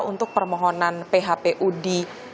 untuk permohonan phpu di